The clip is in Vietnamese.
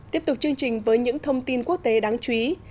tiếp tục chương trình với những thông tin quốc tế đáng chú ý